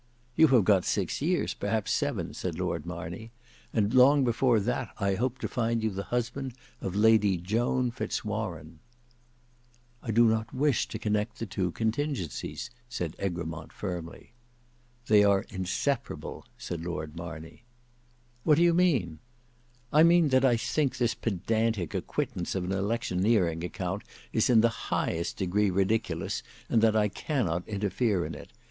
"You have got six years, perhaps seven," said Lord Marney, "and long before that I hope to find you the husband of Lady Joan Fitz Warene." "I do not wish to connect the two contingencies," said Egremont firmly. "They are inseparable," said Lord Marney. "What do you mean?" "I mean that I think this pedantic acquittance of an electioneering account is in the highest degree ridiculous, and that I cannot interfere in it.